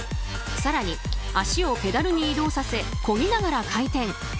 更に足をペダルに移動させ漕ぎながら回転。